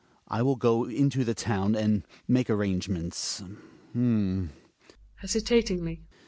I will go into the town and make arrangements H'm {hesitatingly).